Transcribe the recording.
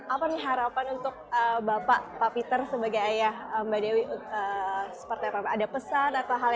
apa nih harapan untuk bapak pak peter sebagai ayah mbak dewi seperti apa ada pesan atau hal